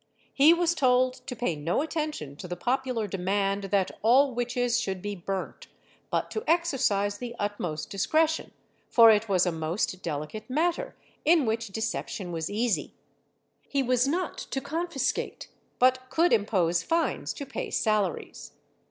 He w^as told to pay no attention to the popular demand that all witches should be burnt, but to exercise the utmost discretion, for it was a most delicate matter, in which deception was easy. He was not to confiscate but could impose fines to pay salaries.